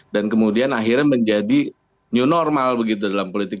dan kemudian akhirnya menjadi new normal begitu dalam politik